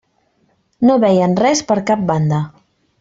No veien res per cap banda.